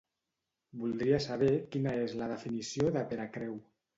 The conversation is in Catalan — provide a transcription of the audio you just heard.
Voldria saber quina és la definició de veracreu.